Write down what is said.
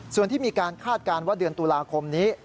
ส่วนที่มีการคาดการณ์ว่าเดือนตุลาคมนี้